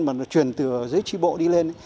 mà nó truyền từ dưới tri bộ đi lên